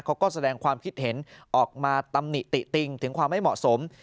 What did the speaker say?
เขาก็แสดงความคิดเห็นออกมาตำหนิติติงถึงความไม่เหมาะสม